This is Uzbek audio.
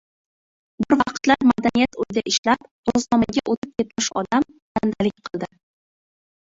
Bir vaqtlar madaniyat uyida ishlab, ro‘znomaga o‘tib ketmish odam bandalik qildi.